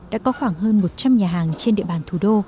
đã có khoảng hơn một trăm linh nhà hàng trên địa bàn thủ đô